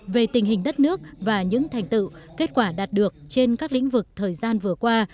về tình hình đất nước và những thành tựu kết quả đạt được trên các lĩnh vực thời gian vừa qua